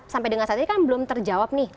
sampai dengan saat ini kan belum terjawab nih